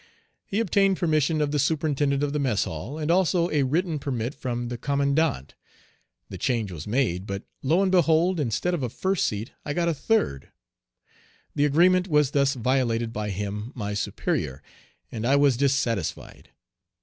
He obtained permission of the superintendent of the mess hall, and also a written permit from the commandant. The change was made, but lo and behold! Instead of a first seat I got a third. The agreement was thus violated by him, my superior (?), and I was dissatisfied.